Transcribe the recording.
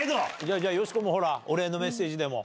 じゃあ、よしこもほら、お礼のメッセージでも。